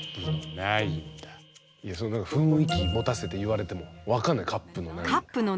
いや何か雰囲気持たせて言われても分かんない「カップの９」。